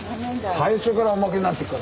最初からおまけになってっから。